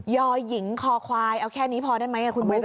อหญิงคอควายเอาแค่นี้พอได้ไหมคุณบุ๊ค